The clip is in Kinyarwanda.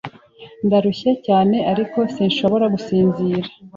Ndarushye cyane, ariko sinshobora gusinzira.